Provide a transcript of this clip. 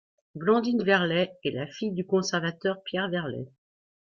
Blandine Verlet est la fille du conservateur Pierre Verlet.